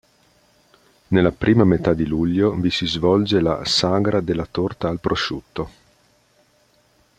Nella prima metà di luglio, vi si svolge la "Sagra della torta al prosciutto".